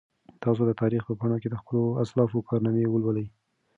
تاسو د تاریخ په پاڼو کې د خپلو اسلافو کارنامې ولولئ.